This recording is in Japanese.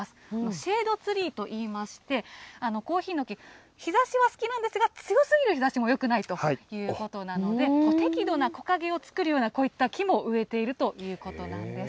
シェードツリーといいまして、コーヒーの木、日ざしは好きなんですが、強すぎる日ざしもよくないということなので、適度な木陰を作るような、こういった木も植えているということなんです。